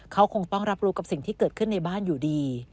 เขาคงต้องรับรู้กับสิ่งที่เกิดขึ้นในบ้านอยู่ดี